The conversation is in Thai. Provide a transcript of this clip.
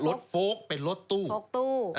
รถโฟลกเป็นรถตู้โฟลกตู้